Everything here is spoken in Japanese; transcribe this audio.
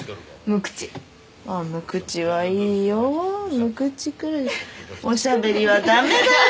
無口くらいおしゃべりは駄目だよ！